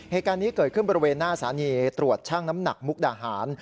เหตุการณ์นี้เกิดขึ้นบริเวณหน้าสถานีตรวจช่างน้ำหนักมุกดาหาร